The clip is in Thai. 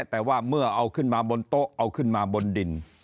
แต่ว่าเมื่อเอาขึ้นมาบนโต๊ะเอาขึ้นมาบนดิน